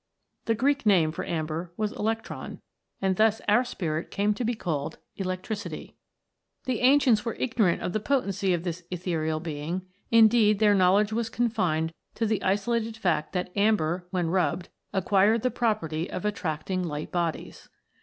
The Greek name for amber was electron, and thus our Spirit came to be called Electricity. The ancients were ignorant of the potency of this ethereal being; indeed, their knowledge was con fined to the isolated fact that amber, when rubbed, acquired the property of attracting light bodies.